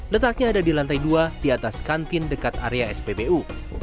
letaknya ada di lantai dua di atas kantin dekat area spbu